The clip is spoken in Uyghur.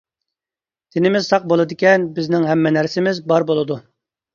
تىنىمىز ساق بولىدىكەن بىزنىڭ ھەممە نەرسىمىز بار بولىدۇ.